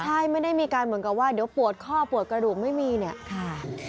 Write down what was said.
ใช่ไม่ได้มีการเหมือนกับว่าเดี๋ยวปวดข้อปวดกระดูกไม่มีเนี่ยค่ะ